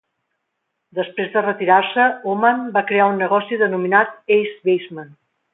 Després de retirar-se, Ohman va crear un negoci denominat Ace Baseball.